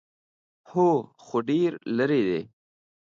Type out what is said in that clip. _هو، خو ډېر ليرې دی.